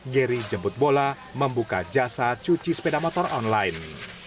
geri jemput bola membuka jasa cuci sepeda motor online